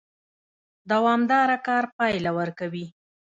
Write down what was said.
دوامدار کار پایله ورکوي